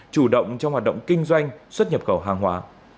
chủ động trong hoạt động kinh doanh xuất nhập khẩu hàng hóa